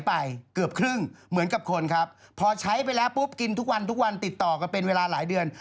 ไปเกือบครึ่งเหมือนกับคนครับพอใช้ไปแล้วปุ๊บกินทุกวันทุกวันติดต่อกันเป็นเวลาหลายเดือน